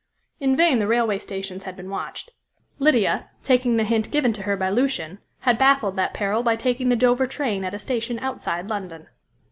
In vain the railway stations had been watched. Lydia, taking the hint given to her by Lucian, had baffled that peril by taking the Dover train at a station outside London.